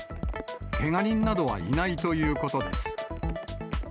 けが人などはいないということです。